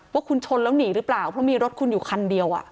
ว่าคุณชนแล้วหนีหรือเปล่าเพราะมีรถคุณอยู่คันเดียว